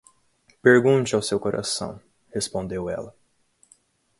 Pergunte ao seu coração, respondeu ela.